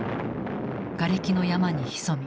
がれきの山に潜み